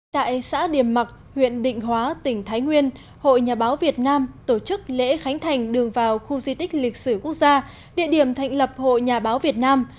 tại xã điểm mặc huyện định hóa tỉnh thái nguyên hội nhà báo việt nam tổ chức lễ khánh thành đường vào khu di tích lịch sử quốc gia địa điểm thành lập hội nhà báo việt nam